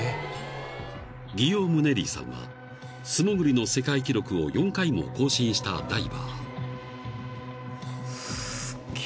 ［ギヨーム・ネリーさんは素潜りの世界記録を４回も更新したダイバー］